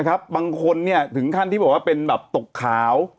นะครับบางคนเนี่ยถึงขั้นที่บอกว่าเป็นแบบตกขาว